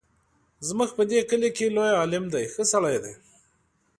زموږ په دې کلي کې لوی عالم دی ښه سړی دی.